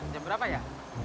jam berapa ya